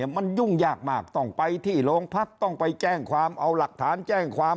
มันยุ่งยากมากต้องไปที่โรงพักต้องไปแจ้งความเอาหลักฐานแจ้งความ